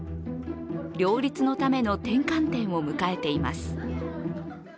両立のための転換点を迎えています。